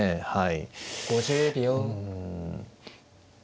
はい。